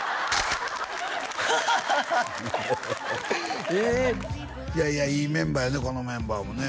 ハハハハえいやいやいいメンバーやねこのメンバーもね